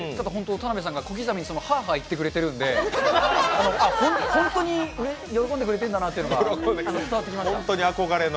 田辺さんが小刻みにはあはあ言ってくれてるので本当に喜んでくれてるんだなっていうのが伝わってきます。